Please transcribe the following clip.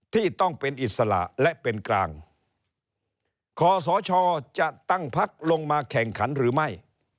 ที่ต้องเป็นอิสระและเป็นกลางคอสชจะตั้งพักลงมาแข่งขันหรือไม่